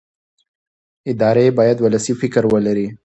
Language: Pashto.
ادارې باید ولسي فکر ولري